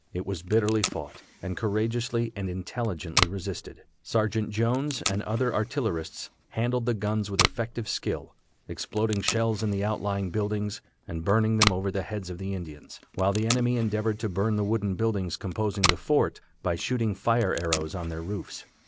It was bitterly fought, and courageously and intelligently resisted. Sergeant Jones and other artillerists handled the guns with effective skill, exploding shells in the outlying buildings, and burning them over the heads of the Indians, while the enemy endeavored to burn the wooden buildings composing the fort, by shooting fire arrows on their roofs.